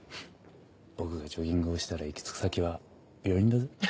僕がジョギングをしたら行き着く先は病院だぜ。